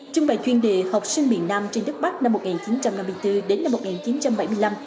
trưng bày chuyên đề học sinh miền nam trên đất bắc năm một nghìn chín trăm năm mươi bốn đến năm một nghìn chín trăm bảy mươi năm